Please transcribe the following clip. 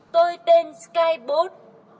tôi tên skybot